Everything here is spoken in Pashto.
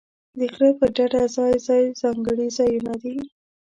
د غره پر ډډه ځای ځای ځانګړي ځایونه دي.